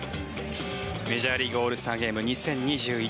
メジャーリーグオールスターゲーム２０２１。